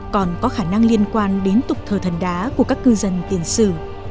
còn có khả năng liên quan đến tục thờ thần đá của các cư dân tiền sử